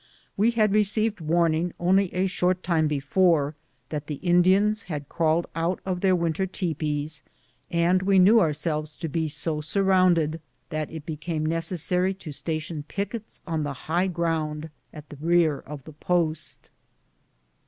We had received warning only a short time before that the Indians had crawled out of their winter tepees, and we knew ourselves to be so surrounded that it became necessary to station pickets on the high ground at the rear of the post.